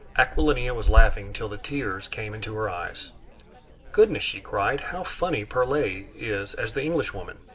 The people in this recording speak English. Aquilina was laughing till the tears came into her eyes. "Goodness!" she cried, "how funny Perlet is as the Englishwoman!...